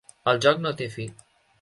El joc no té fi.